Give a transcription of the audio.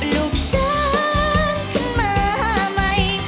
ลูกสาวขึ้นมาใหม่